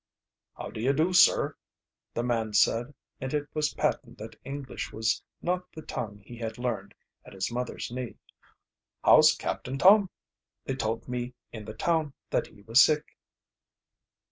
"How do you do, sir," the man said, and it was patent that English was not the tongue he had learned at his mother's knee. "How's Captain Tom? They told me in the town that he was sick."